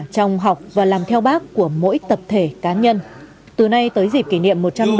trong học và làm theo bác của mỗi tập thể cá nhân từ nay tới dịp kỷ niệm